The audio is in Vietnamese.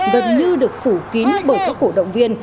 gần như được phủ kín bởi các cổ động viên